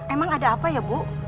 emang ada apa ya bu